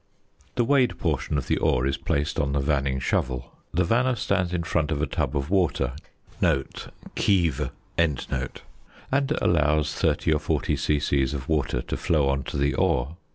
The weighed portion of the ore is placed on the vanning shovel. The vanner stands in front of a tub of water (kieve) and allows 30 or 40 c.c. of water to flow on to the ore.